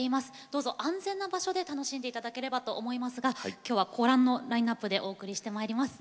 どうぞ安全な場所で楽しんで頂ければと思いますが今日はご覧のラインナップでお送りしてまいります。